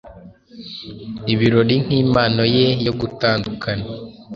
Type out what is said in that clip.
ibirori nkimpano ye yo gutandukana